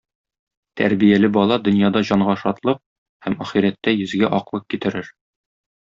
Тәрбияле бала дөньяда җанга шатлык һәм ахирәттә йөзгә аклык китерер.